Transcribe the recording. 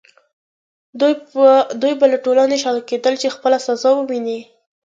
دوی به له ټولنې شړل کېدل چې خپله جزا وویني.